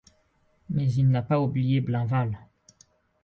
Mais il n’a pas oublié Blainval.